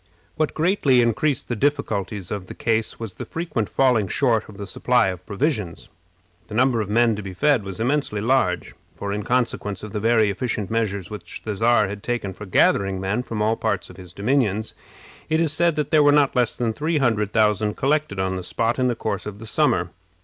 What greatly increased the difficulties of the case was the frequent falling short of the supply of provisions. The number of men to be fed was immensely large; for, in consequence of the very efficient measures which the Czar had taken for gathering men from all parts of his dominions, it is said that there were not less than three hundred thousand collected on the spot in the course of the summer.